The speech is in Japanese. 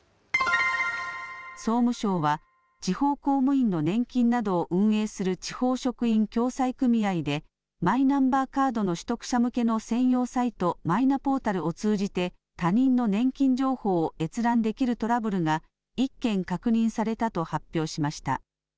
総務省は、地方公務員の年金などを運営する地方職員共済組合で、マイナンバーカードの取得者向けの専用サイト、マイナポータルを通じて他人の年金情報を閲覧できるトラブルが、１件確認されたと発表しました。